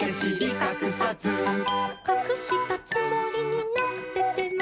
「かくしたつもりになってても」